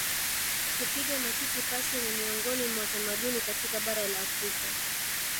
Kupiga matiti pasi ni miongoni mwa tamaduni katika bara la Afrika